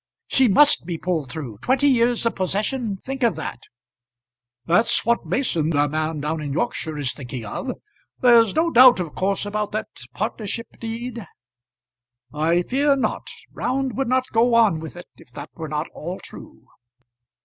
"She must be pulled through. Twenty years of possession! Think of that." "That's what Mason, the man down in Yorkshire, is thinking of. There's no doubt of course about that partnership deed?" "I fear not. Round would not go on with it if that were not all true."